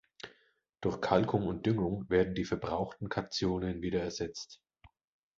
Durch Kalkung und Düngung werden die „verbrauchten“ Kationen wieder ersetzt.